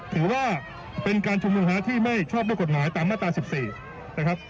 ถือว่าเป็นการชุมนุมที่ไม่ชอบด้วยกฎหมายตามมาตรา๑๔นะครับ